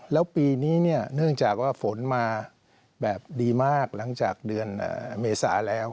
แล้วปีนี้เนี่ยเนื่องจากว่าฝนมาแบบดีมากหลังจากเดือนเมษาแล้ว